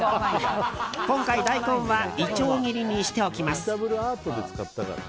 今回、大根はいちょう切りにしておきます。